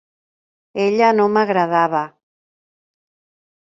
Ella no m'agradava.